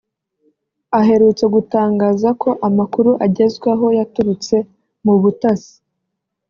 aherutse gutangaza ko amakuru agezwaho yaturutse mu butasi